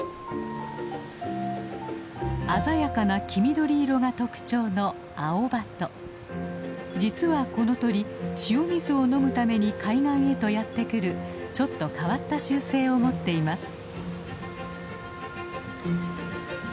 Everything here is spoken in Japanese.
鮮やかな黄緑色が特徴の実はこの鳥塩水を飲むために海岸へとやって来るちょっと変わった習性を持っています。